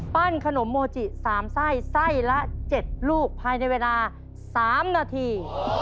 ขนมโมจิ๓ไส้ไส้ละ๗ลูกภายในเวลา๓นาที